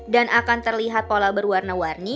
dan akan terlihat pola berwarna warni